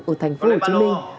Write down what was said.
ở thành phố hồ chí minh